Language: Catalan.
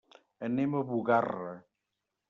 Anem a Bugarra.